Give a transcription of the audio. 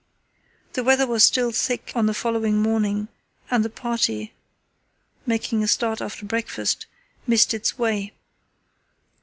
The weather was still thick on the following morning, and the party, making a start after breakfast, missed its way.